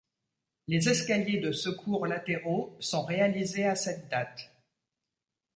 Les escaliers de secours latéraux sont réalisés à cette date.